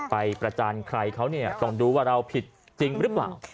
ประจานใครเขาเนี่ยต้องดูว่าเราผิดจริงหรือเปล่า